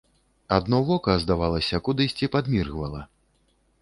Адно вока, здавалася, кудысьці падміргвала.